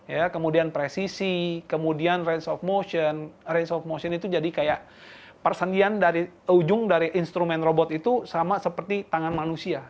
ya kemudian presisi kemudian range of motion range of motion itu jadi kayak persendian dari ujung dari instrumen robot itu sama seperti tangan manusia